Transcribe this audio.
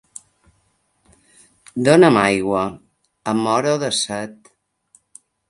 Dona'm aigua: em moro de set.